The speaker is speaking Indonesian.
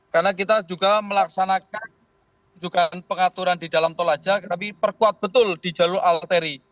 karena kita juga melaksanakan juga pengaturan di dalam tol aja tapi perkuat betul di jalur al akhteri